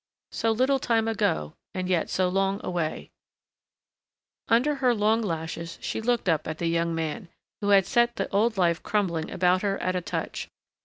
So little time ago, and yet so long away Under her long lashes she looked up at the young man, who had set the old life crumbling about her at a touch.